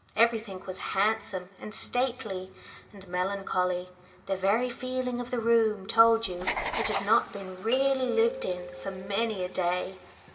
Everything was handsome, and stately, and melancholy; the very feeling of the room told you it had not been really lived in for many a day.